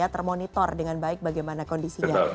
termonitor dengan baik bagaimana kondisinya